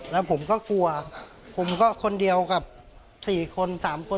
แล้วผมก็กลัวผมก็คนเดียวกับ๔คน๓คน